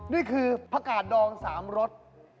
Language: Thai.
นี่คือผักกาดดอง๓รส